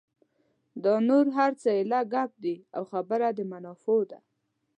دا نور هر څه ایله ګپ دي او خبره د منافعو ده.